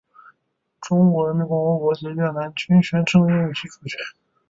中华人民共和国及越南均宣称拥有其主权。